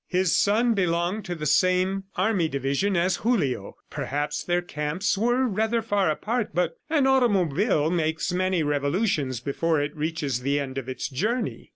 His son belonged to the same army division as Julio; perhaps their camps were rather far apart, but an automobile makes many revolutions before it reaches the end of its journey.